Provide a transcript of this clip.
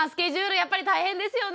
やっぱり大変ですよね？